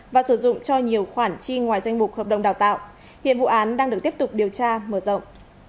và sử dụng cho nhiều khoản chi ngoài danh mục hợp đồng đào tạo hiện vụ án đang được tiếp tục điều tra mở rộng